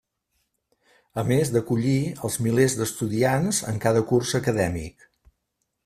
A més d'acollir els milers d'estudiants en cada curs acadèmic.